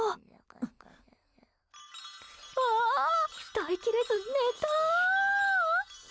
耐え切れず寝た！